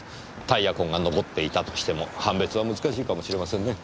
タイヤ痕が残っていたとしても判別は難しいかもしれませんね。